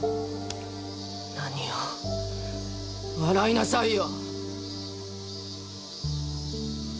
何よ笑いなさいよ。